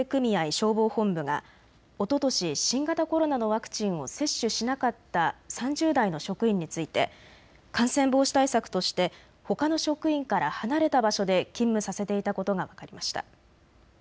消防本部がおととし新型コロナのワクチンを接種しなかった３０代の職員について感染防止対策としてほかの職員から離れた場所で勤務させていたことが分かりました。